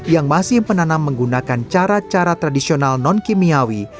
yang masih menanam menggunakan cara cara tradisional non kimiawi